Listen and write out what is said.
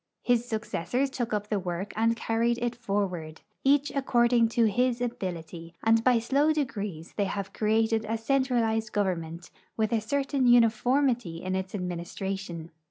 His successors took up the Avork and carried it forward, each according to his ability, and by sIoav degrees they have created a centralized government, Avith a certain uniformity in its administration.